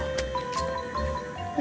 nih buat lo